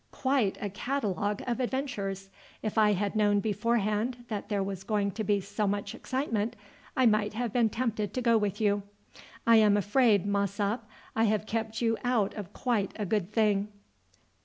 "Quite a catalogue of adventures. If I had known beforehand that there was going to be so much excitement I might have been tempted to go with you. I am afraid, Mossop, I have kept you out of quite a good thing."